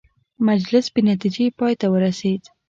مجلس بې نتیجې پای ته ورسېد.